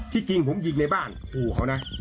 จริงผมยิงในบ้านขู่เขานะ